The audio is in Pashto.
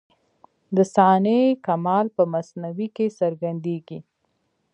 د صانع کمال په مصنوعي کي څرګندېږي.